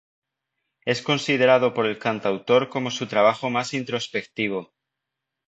Es considerado por el cantautor como su trabajo más introspectivo.